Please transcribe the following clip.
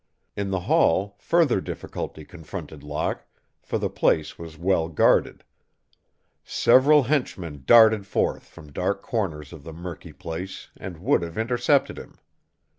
In the hall further difficulty confronted Locke, for the place was well guarded. Several henchmen darted forth from dark corners of the murky place and would have intercepted him.